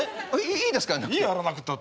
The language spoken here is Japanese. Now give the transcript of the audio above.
いいよやらなくったって。